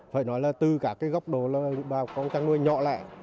phải nói là từ các góc đồ là bà con trắng nuôi nhỏ lại